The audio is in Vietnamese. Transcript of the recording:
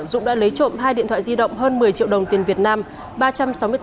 dũng đã lấy trộm hai điện thoại di động hơn một mươi triệu đồng tiền việt nam